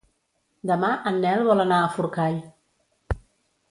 Demà en Nel vol anar a Forcall.